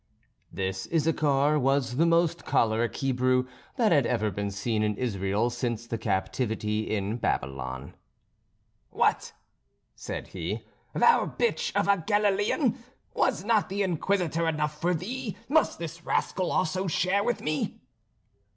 This Issachar was the most choleric Hebrew that had ever been seen in Israel since the Captivity in Babylon. "What!" said he, "thou bitch of a Galilean, was not the Inquisitor enough for thee? Must this rascal also share with me?"